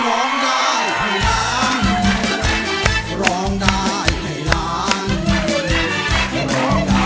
ร้องได้แบบนี้ค่ะตอนนี้คุณต้มจืดรับแล้วค่ะ